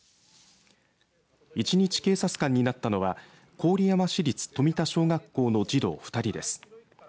一日警察官になったのは郡山市立富田小学校の児童２人です。